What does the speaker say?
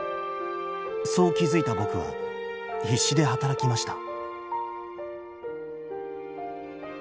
そう気付いた僕は必死で働きました